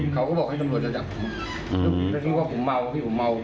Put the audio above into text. เขาก็บอกให้ตำรวจจะจับผมแล้วไม่รู้ว่าผมเมาพี่ผมเมา